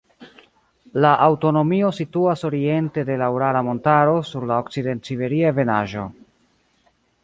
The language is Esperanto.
La aŭtonomio situas oriente de la Urala montaro sur la Okcident-Siberia ebenaĵo.